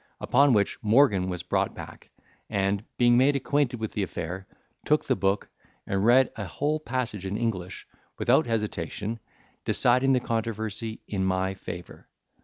Upon which Morgan was brought back, and, being made acquainted with the affair, took the book, and read a whole page in English, without hesitation, deciding the controversy in my favour.